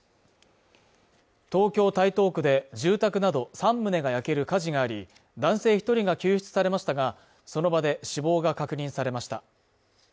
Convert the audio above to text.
東京・台東区で住宅など３棟が焼ける火事があり男性１人が救出されましたが、その場で死亡が確認されました。